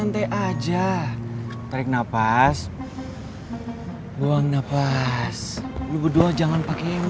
kamu apa punya ke chase itu